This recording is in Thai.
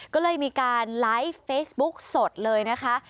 ก็เลยมีการไลฟ์เฟซบุ๊กสดเลยนะคะ